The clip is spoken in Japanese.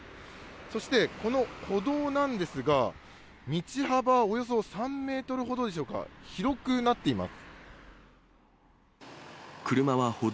そして、この歩道なんですが、道幅はおよそ３メートルほどでしょうか、広くなっています。